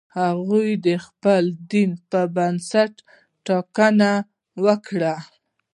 هغه د خپل دین پر بنسټ ټاکنه کوي.